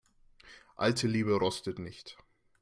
Alte Liebe rostet nicht.